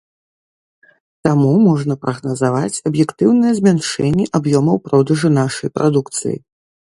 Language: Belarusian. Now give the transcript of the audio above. Таму можна прагназаваць аб'ектыўнае змяншэнне аб'ёмаў продажу нашай прадукцыі.